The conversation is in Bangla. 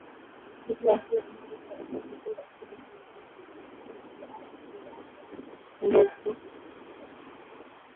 কিছু রাষ্ট্র অন্য দেশের রাজধানী থেকেও রাষ্ট্রদূত নিয়োগ দিয়েছে, এরমধ্যে রয়েছে- আলমাটি/আস্তানা, মস্কো এবং তাশখন্দ।